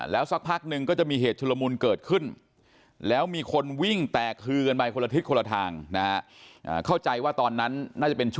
แล้วสักพักนึงก็จะมีเหตุธุลมูลเกิดขึ้นแล้วมีคนวิ่งแตกคืนไปคนละทิศคนละทางนะครับ